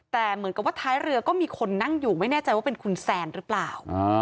แต่เหมือนกับว่าท้ายเรือก็มีคนนั่งอยู่ไม่แน่ใจว่าเป็นคุณแซนหรือเปล่า